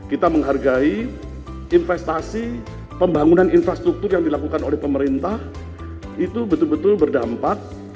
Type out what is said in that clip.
kita menghargai investasi pembangunan infrastruktur yang dilakukan oleh pemerintah itu betul betul berdampak